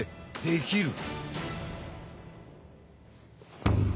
できる！